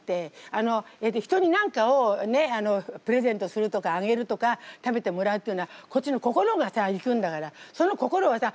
あの人に何かをプレゼントするとかあげるとか食べてもらうっていうのはこっちの心がさ行くんだからその心をさ